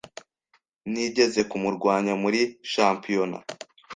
Nigeze kumurwanya muri championat.